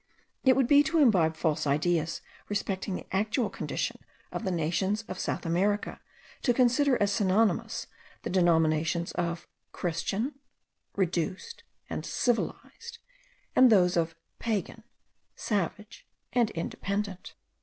It would be to imbibe false ideas respecting the actual condition of the nations of South America, to consider as synonymous the denominations of 'Christian,' 'reduced,' and 'civilized;' and those of 'pagan,' 'savage,' and 'independent.'